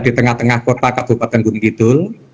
di tengah tengah kota kabupaten gunung kidul